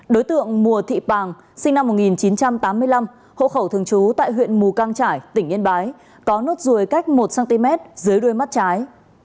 đối tượng mùa thị bàng sinh năm một nghìn chín trăm tám mươi năm hộ khẩu thường trú tại huyện mù căng trải tỉnh yên bái có nốt ruồi cách một cm dưới đuôi mắt trái